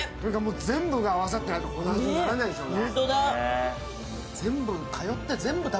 全部が合わさってないとこんなふうにならないでしょうね。